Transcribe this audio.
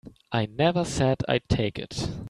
I never said I'd take it.